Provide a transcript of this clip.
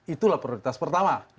itulah prioritas pertama